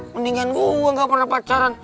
mendingan gue gak pernah pacaran